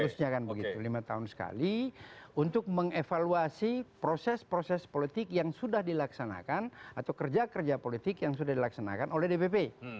harusnya kan begitu lima tahun sekali untuk mengevaluasi proses proses politik yang sudah dilaksanakan atau kerja kerja politik yang sudah dilaksanakan oleh dpp